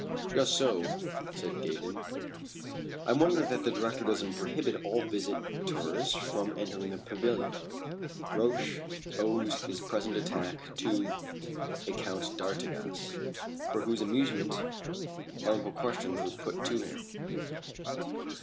"Just so," said Gaydon. "I wonder that the director doesn't prohibit all visitors from entering the pavilion. Roch owes his present attack to a Count d'Artigas, for whose amusement harmful questions were put to him."